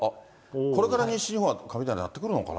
これから西日本は雷鳴ってくるのかな。